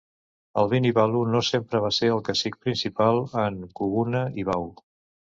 El Vunivalu no sempre va ser el cacic principal en Kubuna i Bau.